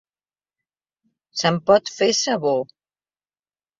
Se'n pot fer sabó.